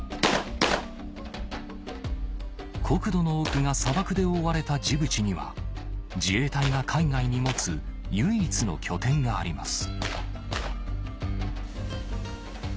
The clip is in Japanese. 国土の多くが砂漠で覆われたジブチには自衛隊が海外に持つ唯一の拠点があります